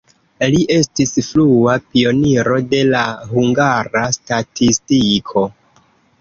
Li estis frua pioniro de la hungara statistiko.